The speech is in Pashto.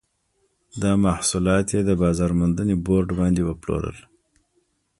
دا محصولات یې د بازار موندنې بورډ باندې وپلورل.